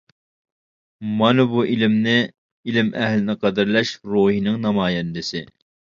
مانا بۇ ئىلىمنى، ئىلىم ئەھلىنى قەدىرلەش روھىنىڭ نامايەندىسى!